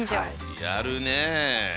やるねえ。